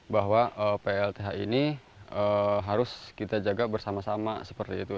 bahwa plth ini harus kita jaga bersama sama seperti itu